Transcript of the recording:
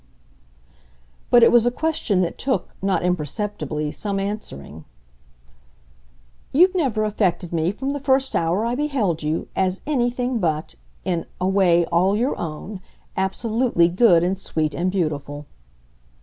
But it was a question that took, not imperceptibly, some answering. "You've never affected me, from the first hour I beheld you, as anything but in a way all your own absolutely good and sweet and beautiful.